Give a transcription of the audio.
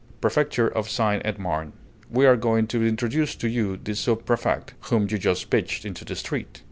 "Prefecture of Seine et Marne. We are going to introduce to you the sub préfect, whom you just pitched into the street."